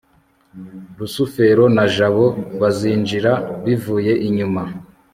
rusufero na jabo bazinjira bivuye inyuma